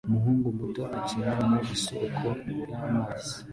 Umuhungu muto akina mu isoko y'amazi